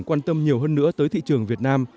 quan tâm nhiều hơn nữa tới thị trường việt nam